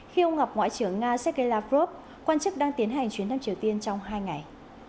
khi ông ngọc ngoại trưởng nga sergei lavrov quan chức đang tiến hành chuyến thăm triều tiên trong hai ngày